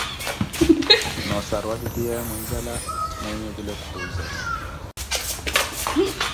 Noo ossaruwa titiyawe muinzala, mwinhe otule khuzela,